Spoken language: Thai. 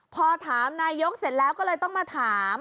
พอถามนายกเสร็จแล้วก็เลยต้องมาถาม